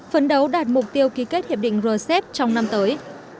phấn đấu đạt mục tiêu ký kết hiệp định rcep trong năm tới